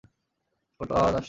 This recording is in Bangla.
স্পষ্ট আওয়াজ আসছে না।